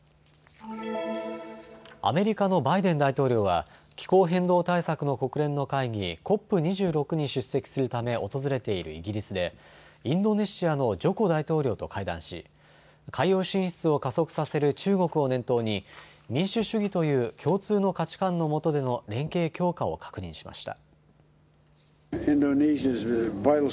アメリカのバイデン大統領は気候変動対策の国連の会議、ＣＯＰ２６に出席するため訪れているイギリスでインドネシアのジョコ大統領と会談し海洋進出を加速させる中国を念頭に民主主義という共通の価値観のもとでの連携強化を確認しました。